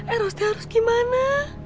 erosnya harus gimana